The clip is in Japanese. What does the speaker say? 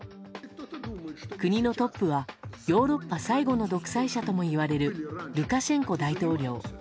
国のトップはヨーロッパ最後の独裁者ともいわれるルカシェンコ大統領。